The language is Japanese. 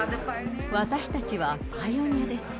私たちはパイオニアです。